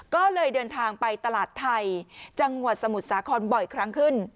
ก็เลยเดินทางไปตลาดไทยจังหวัดสมุทรสาครบ่อยครั้งขึ้น